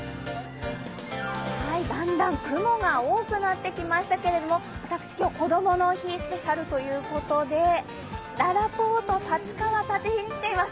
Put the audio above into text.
だんだん雲が多くなってきましたけれども私、今日、こどもの日スペシャルということでららぽーと立川立飛に来ています。